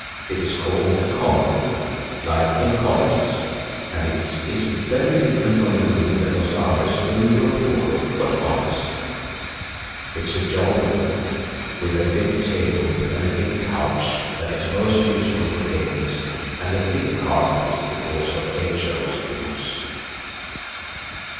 It is called the common room, like in colleges, and it is very different from the room that was ours when we were poor, but honest. It is a jolly room, with a big table and a big couch, that is most useful for games, and a thick carpet because of H.O.'s boots.